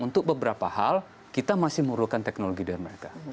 untuk beberapa hal kita masih memerlukan teknologi dari mereka